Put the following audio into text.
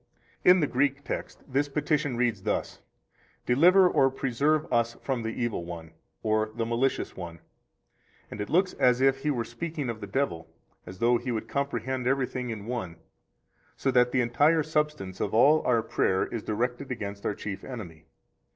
113 In the Greek text this petition reads thus: Deliver or preserve us from the Evil One, or the Malicious One; and it looks as if He were speaking of the devil, as though He would comprehend everything in one, so that the entire substance of all our prayer is directed against our chief enemy.